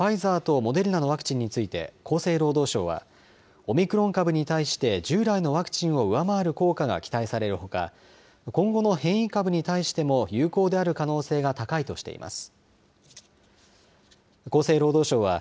使用されるファイザーとモデルナのワクチンについて厚生労働省はオミクロン株に対して従来のワクチンを上回る効果が期待されるほか今後の変異株に対しても有効である可能性が高いとしています。